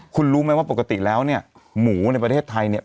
คุณรู้ไหมว่าปกติแล้วเนี่ยหมูในประเทศไทยเนี่ย